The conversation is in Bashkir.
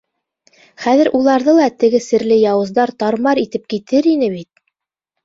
Хәҙер уларҙы ла теге серле яуыздар тар-мар итеп китер ине бит!